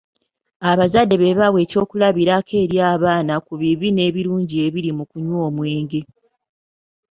Abazadde be bawa eky'okulabirako eri abaana ku bibi n'ebirungi ebiri mu kunywa omwenge.